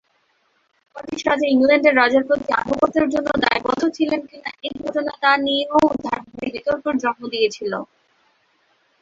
Scottish রাজা ইংল্যান্ডের রাজার প্রতি আনুগত্যের জন্য দায়বদ্ধ ছিলেন কিনা এ ঘটনা তা নিয়েও ধারাবাহিক বিতর্কের জন্ম দিয়েছিল।